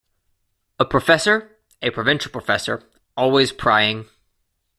A professor, a provincial professor, always prying.